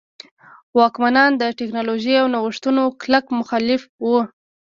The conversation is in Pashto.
واکمنان د ټکنالوژۍ او نوښتونو کلک مخالف وو.